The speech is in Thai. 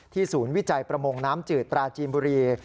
ศูนย์วิจัยประมงน้ำจืดปราจีนบุรี